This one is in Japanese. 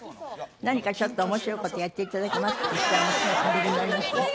何かちょっと面白い事やって頂けます？って言ったらすぐおできになります？